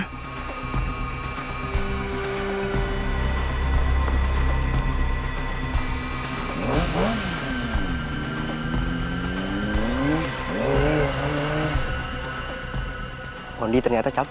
tuhan yang teradil adalah saya